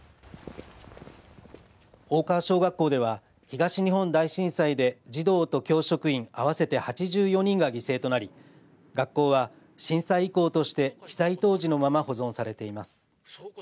大川小学校では東日本大震災で児童と教職員合わせて８４人が犠牲となり学校は震災遺構として被災当時のまま保存されています。